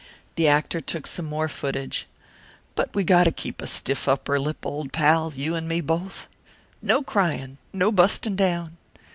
The actor took some more footage. "But we got to keep a stiff upper lip, old pal, you and me both. No cryin', no bustin' down.